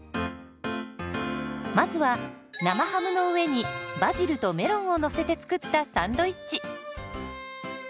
まずは生ハムの上にバジルとメロンをのせて作ったサンドイッチ。